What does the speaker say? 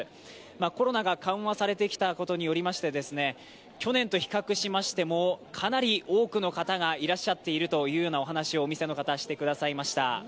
コロナが緩和されてきたことによりまして、去年と比較しましても、かなり多くの方がいらっしゃっているというようなお話をお店の方、してくださいました。